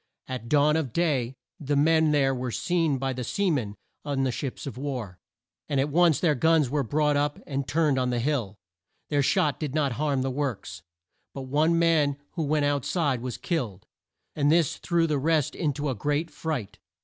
At dawn of day the men there were seen by the sea men on the ships of war, and at once their guns were brought up and turned on the hill. Their shot did not harm the works, but one man who went out side was killed, and this threw the rest in to a great fright.